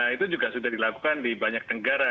itu juga sudah dilakukan di banyak negara